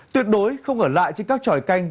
tuyệt đối không ở lại trên các tròi canh